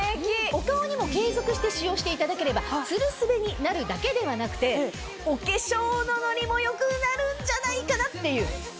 お顔にも継続して使用していただければツルスベになるだけではなくてお化粧のノリも良くなるんじゃないかなっていう。